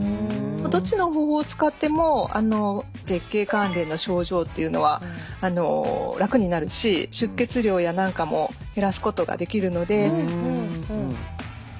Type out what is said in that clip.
どっちの方法を使っても月経関連の症状っていうのは楽になるし出血量やなんかも減らすことができるのでうんうんうん。